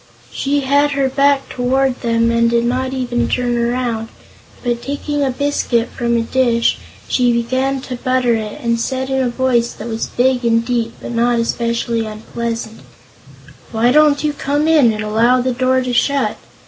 She had her back toward them and did not even turn around, but taking a biscuit from a dish she began to butter it and said in a voice that was big and deep but not especially unpleasant: "Why don't you come in and allow the door to shut?